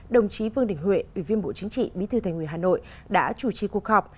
đồng chí vương đình huệ ủy viên bộ chính trị bí thư thành ủy hà nội đã chủ trì cuộc họp